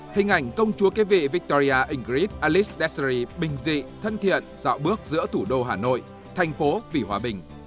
hình ảnh công chúa kế vị victoria ingrid alice desiree bình dị thân thiện dạo bước giữa thủ đô hà nội thành phố vĩ hòa bình